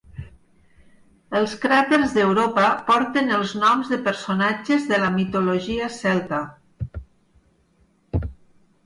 Els cràters d'Europa porten els noms de personatges de la mitologia celta.